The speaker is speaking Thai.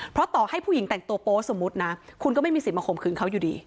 เพราะต่อให้ผู้หญิงแต่งตัวโป๊สมมุตินะคุณก็ไม่มีสิทธิมาข่มขืนเขาอยู่ดี